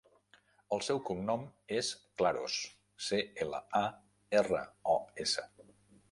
El seu cognom és Claros: ce, ela, a, erra, o, essa.